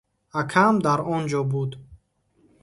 Акаам дар он ҷо буд.